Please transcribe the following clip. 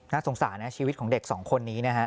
สงสารนะชีวิตของเด็กสองคนนี้นะฮะ